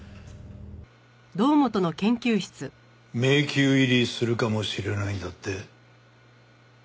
迷宮入りするかもしれないんだって？